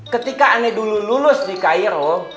ketika ane dulu lulus di kairo